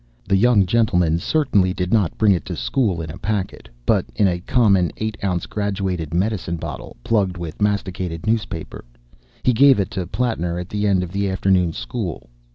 The young gentleman certainly did not bring it to school in a packet, but in a common eight ounce graduated medicine bottle, plugged with masticated newspaper. He gave it to Plattner at the end of the afternoon school.